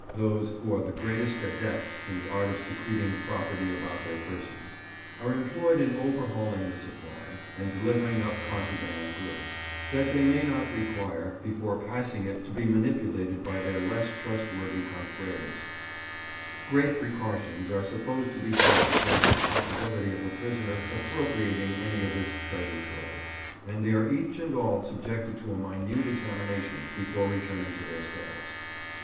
_, those who are the greatest adepts in the art of secreting property about their persons) are employed in overhauling the supply, and delivering up contraband goods—that they may not require—before passing it to be manipulated by their less trustworthy confrères. Great precautions are supposed to be taken against the possibility of a prisoner appropriating any of this "treasure trove," and they are each and all subjected to a minute examination before returning to their cells.